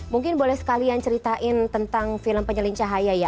mungkin boleh sekalian ceritain tentang film penyelin cahaya ya